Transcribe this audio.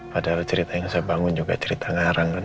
padahal cerita yang saya bangun juga cerita ngarang kan